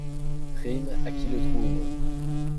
Prime à qui le trouve.